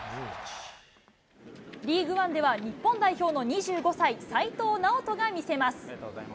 リーグワンでは日本代表の２５歳、齋藤直人が見せます。